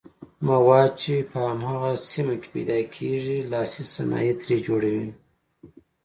مواد چې په هماغه سیمه کې پیداکیږي لاسي صنایع ترې جوړوي.